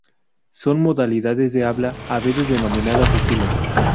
Son modalidades de habla, a veces denominadas "estilos".